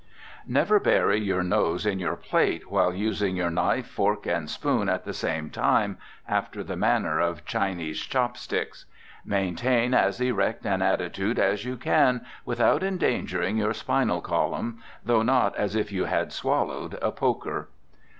Never bury your nose in your plate, while using your knife, fork and spoon at the same time, after the manner of Chinese chop sticks. Maintain as erect an attitude as you can without endangering your spinal column, though not as if you had swallowed a poker.